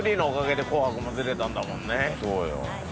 そうよ。